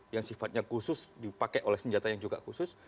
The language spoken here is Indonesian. yang sifatnya khusus dipakai oleh senjata yang juga khusus